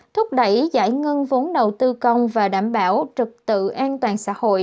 thúc đẩy giải ngân vốn đầu tư công và đảm bảo trực tự an toàn xã hội